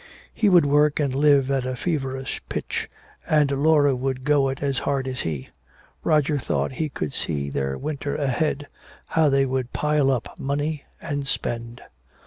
He would work and live at a feverish pitch, and Laura would go it as hard as he. Roger thought he could see their winter ahead. How they would pile up money and spend!